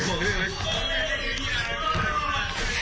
ทุกคนในตัวโลกนี้เศรษฐาน